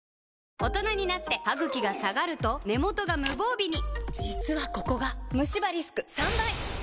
大人になってハグキが下がると根元が無防備に実はここがムシ歯リスク３倍！